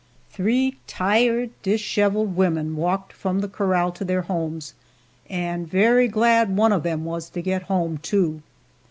Three tired, disheveled women walked from the corral to their homes; and very glad one of them was to get home, too!